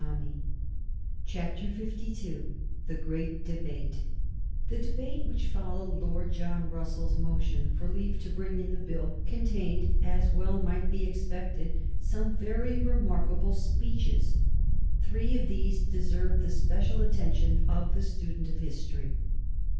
[Sidenote: 1831 Sir Robert Inglis and Reform] The debate which followed Lord John Russell's motion for leave to bring in the Bill contained, as well might be expected, some very remarkable speeches. Three of these deserve the special attention of the student of history.